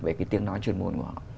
về cái tiếng nói chuyên môn của họ